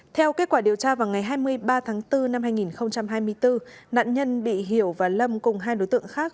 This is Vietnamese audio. theo kết quả điều tra vào ngày hai mươi ba tháng bốn năm hai nghìn hai mươi bốn nạn nhân bị hiểu và lâm cùng hai đối tượng khác